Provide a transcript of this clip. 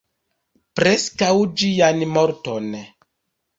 Preskaŭ ĝian morton.